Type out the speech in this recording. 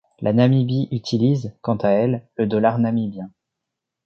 La Namibie utilise, quant à elle, le dollar namibien.